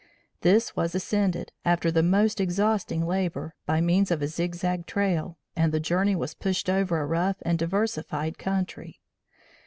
This was ascended, after the most exhausting labor, by means of a zigzag trail, and the journey was pushed over a rough and diversified country.